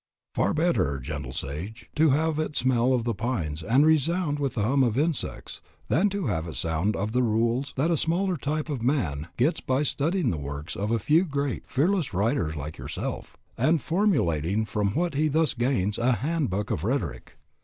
Far better, gentle sage, to have it smell of the pines and resound with the hum of insects than to have it sound of the rules that a smaller type of man gets by studying the works of a few great, fearless writers like yourself, and formulating from what he thus gains a handbook of rhetoric.